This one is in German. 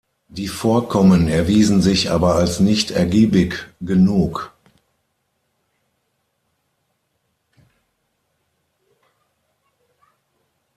Die Vorkommen erwiesen sich aber als nicht ergiebig genug.